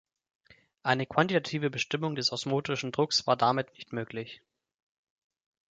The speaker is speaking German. Eine quantitative Bestimmung des osmotischen Drucks war damit nicht möglich.